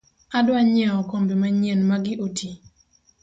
Adwa nyieo kombe manyien magi otii.